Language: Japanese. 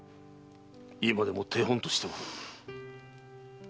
今でも手本としておる。